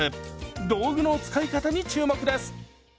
道具の使い方に注目です！